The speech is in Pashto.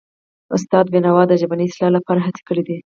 استاد بینوا د ژبني اصلاح لپاره هڅې کړی دي.